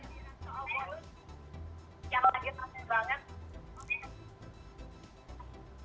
sindiran soal bonus yang lagi rame banget